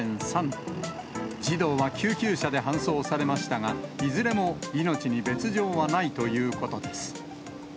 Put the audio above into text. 児童は救急車で搬送されましたが、いずれも命に別状はないということです。